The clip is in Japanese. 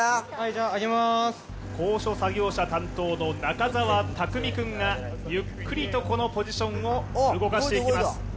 高所作業車担当の中澤匠君がゆっくりとこのポジションを動かしていきます。